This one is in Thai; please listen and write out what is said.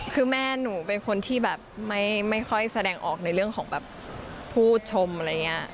คือแม่หนูเป็นคนที่แบบไม่ค่อยแสดงออกในเรื่องของแบบผู้ชมอะไรอย่างนี้